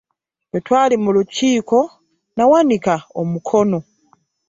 Bwe twali mu lukiiko nawanika omukono.